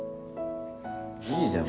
いいじゃん